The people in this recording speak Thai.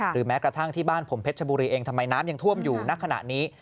แม้กระทั่งที่บ้านผมเพชรชบุรีเองทำไมน้ำยังท่วมอยู่ณขณะนี้